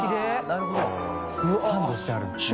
なるほどサンドしてあるんですね。